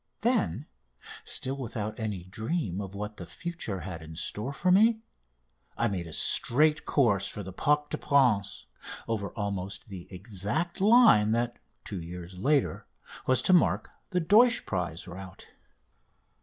Then still without any dream of what the future had in store for me I made a straight course for the Parc des Princes, over almost the exact line that, two years later, was to mark the Deutsch prize route.